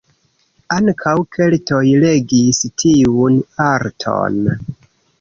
Ankaŭ keltoj regis tiun arton.